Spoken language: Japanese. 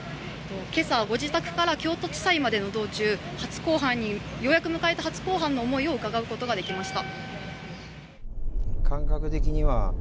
今朝ご自宅から京都地裁までの道中ようやく迎えた初公判の思いを伺うことができました。